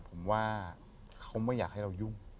ผมว่าเขาไม่อยากให้เรายุ่ง